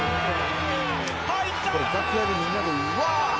入った！